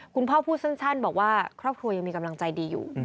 พูดสั้นบอกว่าครอบครัวยังมีกำลังใจดีอยู่